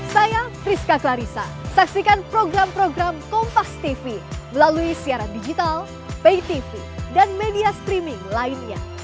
saya rizka klarisa saksikan program program kompastv melalui siaran digital paytv dan media streaming lainnya